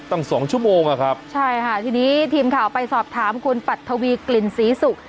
สองชั่วโมงอ่ะครับใช่ค่ะทีนี้ทีมข่าวไปสอบถามคุณปัททวีกลิ่นศรีศุกร์